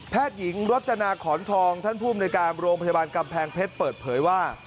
หญิงรจนาขอนทองท่านภูมิในการโรงพยาบาลกำแพงเพชรเปิดเผยว่า